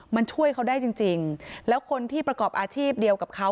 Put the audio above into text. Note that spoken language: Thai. มันช่วยเขาได้จริงจริงแล้วคนที่ประกอบอาชีพเดียวกับเขา